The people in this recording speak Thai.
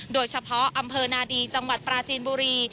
โดยเฉพาะอำเภอนาดีจังหวัดปราจีนบุรี